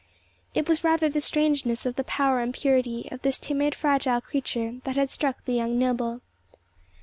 It was rather the strangeness of the power and purity of this timid, fragile creature, that had struck the young noble.